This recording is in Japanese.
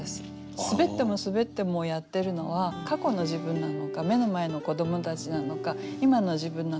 すべってもすべってもやってるのは過去の自分なのか目の前の子どもたちなのか今の自分なのか